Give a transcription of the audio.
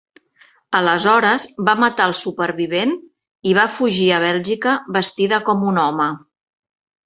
Aleshores, va matar al supervivent i va fugir a Bèlgica vestida com un home.